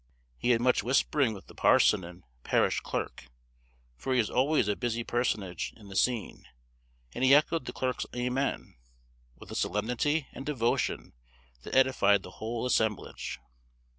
He had much whispering with the parson and parish clerk, for he is always a busy personage in the scene; and he echoed the clerk's amen with a solemnity and devotion that edified the whole assemblage.